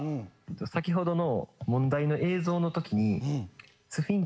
先ほどの問題の映像の時に。